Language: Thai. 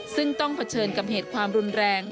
ซึ่งต้องเผชิญกับเหตุความรุนแรง